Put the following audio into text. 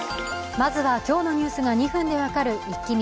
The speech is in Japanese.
まずは今日のニュースが２分で分かるイッキ見。